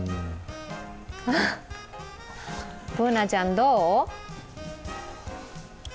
Ｂｏｏｎａちゃん、どう？